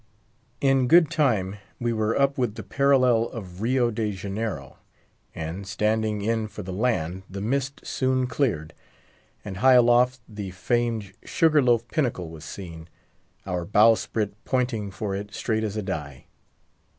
In good time we were up with the parallel of Rio de Janeiro, and, standing in for the land, the mist soon cleared; and high aloft the famed Sugar Loaf pinnacle was seen, our bowsprit pointing for it straight as a die.